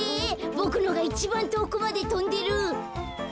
ボクのがいちばんとおくまでとんでる。